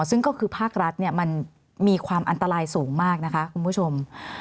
ซึ่งก็คือภาครัฐมันมีความอันตรายสูงมากนะคะคุณผู้ชม